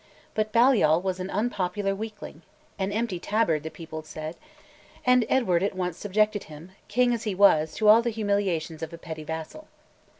But Balliol was an unpopular weakling "an empty tabard," the people said and Edward at once subjected him, king as he was, to all the humiliations of a petty vassal.